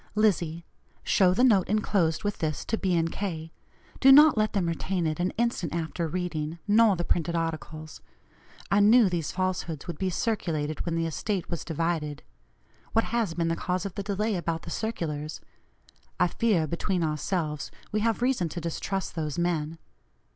"LIZZIE: Show the note enclosed with this to B. & K.; do not let them retain it an instant after reading, nor the printed articles. I knew these falsehoods would be circulated when the estate was divided. What has been the cause of the delay about the circulars? I fear, between ourselves, we have reason to distrust those men